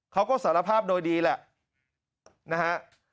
เขาก็สารภาพโดยดีแหละนะฮะ